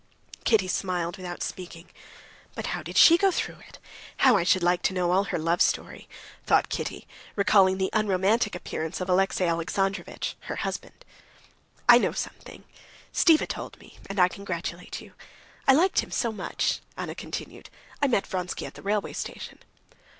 Kitty smiled without speaking. "But how did she go through it? How I should like to know all her love story!" thought Kitty, recalling the unromantic appearance of Alexey Alexandrovitch, her husband. "I know something. Stiva told me, and I congratulate you. I liked him so much," Anna continued. "I met Vronsky at the railway station."